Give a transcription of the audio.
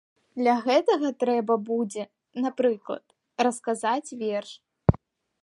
Для гэтага трэба будзе, напрыклад, расказаць верш.